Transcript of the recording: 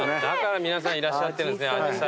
だから皆さんいらっしゃってるんですね。